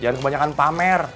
jangan kebanyakan pamer